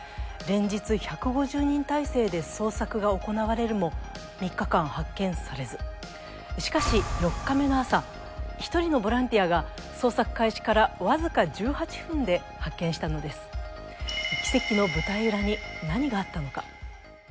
連日１５０人態勢で捜索が行われるも３日間発見されずしかし４日目の朝一人のボランティアが捜索開始からわずか１８分で発見したのです奇跡の舞台裏に何があったのか？